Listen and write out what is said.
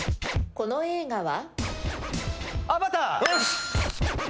この映画は？